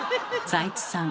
財津さん